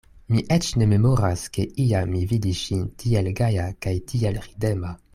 Mi eĉ ne memoras, ke iam mi vidis ŝin tiel gaja kaj tiel ridema.